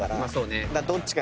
どっちかが。